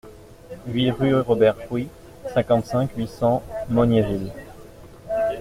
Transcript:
huit rue Robert Rouy, cinquante-cinq, huit cents, Mognéville